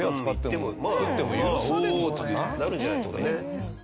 おお！ってなるんじゃないですかね。